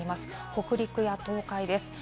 北陸や東海です。